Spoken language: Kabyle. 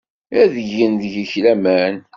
Ad gen deg-k laman.